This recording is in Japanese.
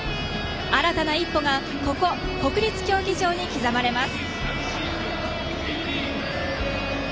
新たな一歩がここ、国立競技場に刻まれます。